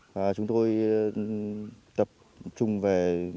và chúng tôi tập trung về